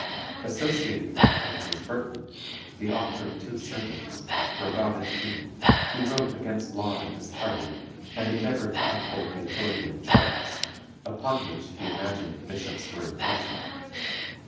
Associated with Prynne was Burton, the author of two sermons For God and King, who wrote against Laud and his party, and endeavoured to uphold the authority of Charles, upon which he imagined the bishops were encroaching.